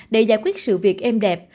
để giải quyết sự việc êm đẹp